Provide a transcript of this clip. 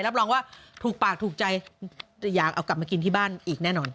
รับรองว่าถูกปากถูกใจแต่อยากเอากลับมากินที่บ้านอีกแน่นอน